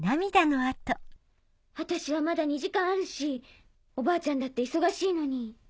私はまだ２時間あるしおばあちゃんだって忙しいのに。